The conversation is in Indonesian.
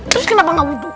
terus kenapa gak uduh